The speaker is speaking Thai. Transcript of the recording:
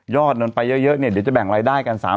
ยอดดนท์มันไปเยอะเนี่ยเดี๋ยวจะแบ่งรายได้กัน๓๐๗๐